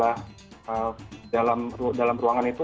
dan juga untuk melakukan gathering dengan jumlah dalam ruangan itu